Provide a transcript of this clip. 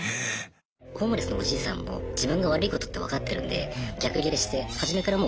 ホームレスのおじいさんも自分が悪いことって分かってるんで逆ギレして初めからもう包丁持ってきたんですけど。